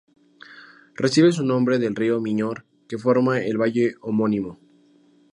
Recibe su nombre del río Miñor, que forma el valle homónimo.